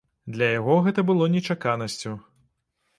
Для яго гэта было нечаканасцю.